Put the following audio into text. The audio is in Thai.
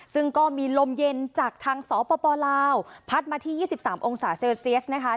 ซึ่งก็มีลมเย็นจากทางสปลาวพัดมาที่๒๓องศาเซลเซียสนะคะ